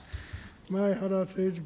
前原誠司君。